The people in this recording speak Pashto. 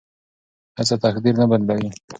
هڅه تقدیر نه بدلوي.